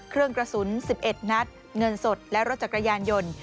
เครื่องกระสุน๑๑นัดเงินสดและรถจักรยานยนต์